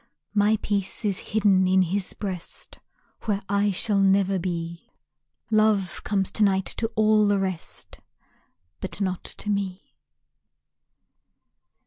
My peace is hidden in his breast Where I shall never be, Love comes to night to all the rest, But not to me.